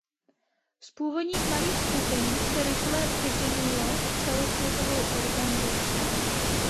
Z původních malých skupin se rychle vyvinulo v celosvětovou organizaci.